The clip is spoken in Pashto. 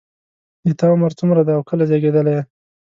د تا عمر څومره ده او کله زیږیدلی یې